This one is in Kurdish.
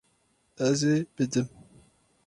Ez ê bidim.